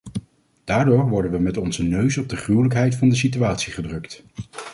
Daardoor werden we met onze neus op de gruwelijkheid van de situatie gedrukt.